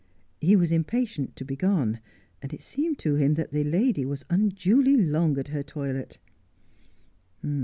He was impatient to be gone, and it seemed to him that the lady was unduly long at her toilet.